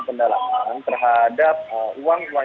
pendalaman terhadap uang uang